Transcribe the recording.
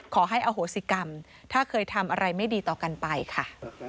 ขอให้อโหสิกรรมถ้าเคยทำอะไรไม่ดีต่อกันไปค่ะ